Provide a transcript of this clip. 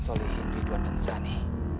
soleh hindri dwan dan sani